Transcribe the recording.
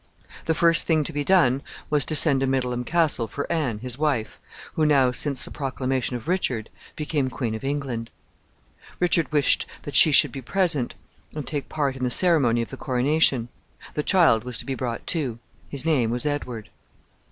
The first thing to be done was to send to Middleham Castle for Anne, his wife, who now, since the proclamation of Richard, became Queen of England. Richard wished that she should be present, and take part in the ceremony of the coronation. The child was to be brought too. His name was Edward.